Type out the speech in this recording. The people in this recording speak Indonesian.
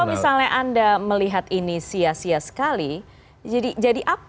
kalau misalnya anda melihat ini sia sia sekali